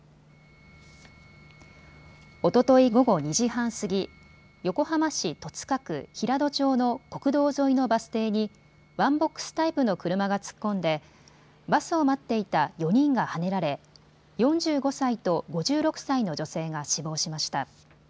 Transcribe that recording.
おととい午後２時半過ぎ、横浜市戸塚区平戸町の国道沿いのバス停にワンボックスタイプの車が突っ込んでバスを待っていた４人がはねられ４５歳と５６歳の女性が死亡しました。